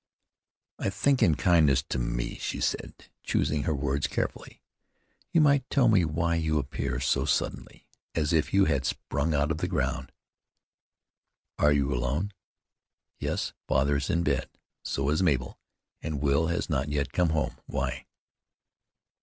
"I think in kindness to me," she said, choosing her words carefully, "you might tell me why you appear so suddenly, as if you had sprung out of the ground." "Are you alone?" "Yes. Father is in bed; so is Mabel, and Will has not yet come home. Why?"